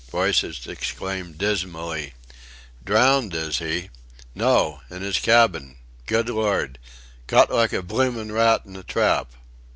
Voices exclaimed dismally: "Drowned is he?... No! In his cabin!... Good Lord!... Caught like a bloomin' rat in a trap....